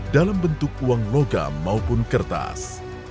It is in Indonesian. dalam bentuk uang logam maupun kertas